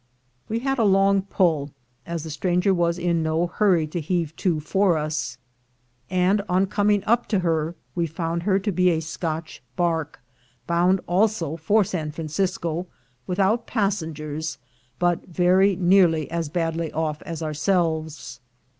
We had a long pull, as the stranger was in no hurr} to heave to for us; and on coming up to her, we found her to be a Scotch barque, bound also for San Francisco, without passengers, but very nearly as badly off as ourselves.